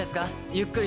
ゆっくり